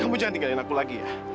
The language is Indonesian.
kamu jangan tinggalin aku lagi ya